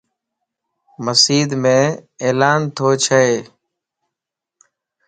مسيڌم عيلان توچهه